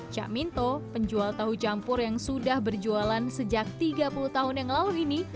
cak minto penjual tahu campur yang sudah berjualan sejak tiga puluh tahun yang lalu ini